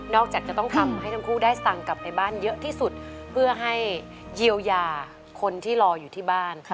จากจะต้องทำให้ทั้งคู่ได้สตังค์กลับไปบ้านเยอะที่สุดเพื่อให้เยียวยาคนที่รออยู่ที่บ้าน